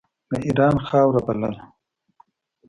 د اېران خاوره بلله.